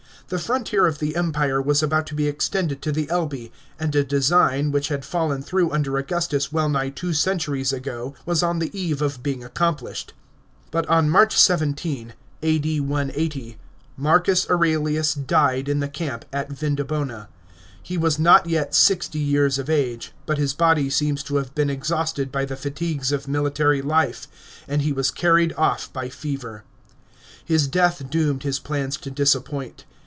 The frontier of the Empire was about to be extended to the Elbe, and a design, which had fallen through under Augustus well nigh two centuries ago, was on the eve of being accomplished. But on March 17, A.D. 180, Marcus Aurelius died in the camp at Vindobona. He was not yet sixty years of age, but his body seems to have been exhausted by the fatigues of military life, and he was carried off by fever. His death doomed his plans to disappointment.